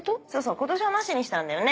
今年はなしにしたんだよね。